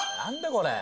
これ。